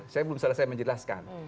saya belum salah saya menjelaskan